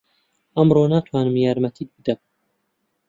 ئەمڕۆ ناتوانم یارمەتیت بدەم.